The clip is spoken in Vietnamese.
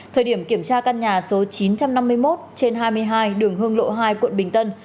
thời điểm kiểm tra căn nhà số chín trăm năm mươi một trên hai mươi hai đường hương lộ hai quận bình tân